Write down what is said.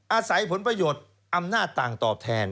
อาศัยผลประโยชน์อำนาจต่างตอบแทน